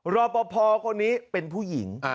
รอปภคนนี้เป็นผู้หญิง